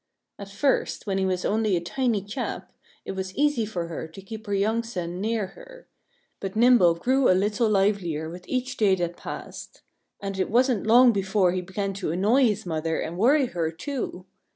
At first, when he was only a tiny chap, it was easy for her to keep her young son near her. But Nimble grew a little livelier with each day that passed. And it wasn't long before he began to annoy his mother and worry her, too.